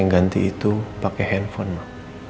nanti itu pakai handphone mak